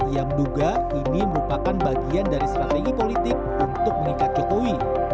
ia menduga ini merupakan bagian dari strategi politik untuk mengikat jokowi